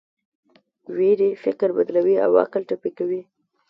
ویرې فکر بدلوي او عقل ټپي کوي.